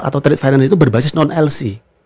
atau trade finance itu berbasis non lc